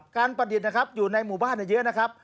ประดิษฐ์นะครับอยู่ในหมู่บ้านเยอะนะครับ